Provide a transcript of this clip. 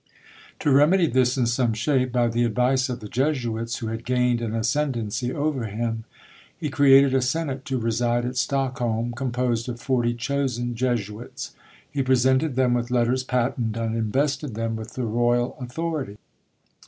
To remedy this in some shape, by the advice of the Jesuits, who had gained an ascendancy over him, he created a senate to reside at Stockholm, composed of forty chosen Jesuits. He presented them with letters patent, and invested them with the royal authority.